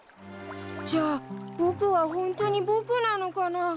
じゃあ僕はホントに僕なのかな？